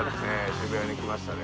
渋谷に来ましたね。